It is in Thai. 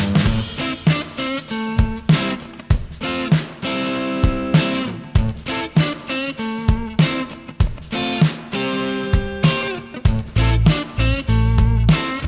มันก็ไม่มี